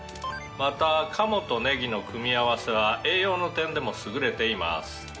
「また鴨とねぎの組み合わせは栄養の点でも優れています」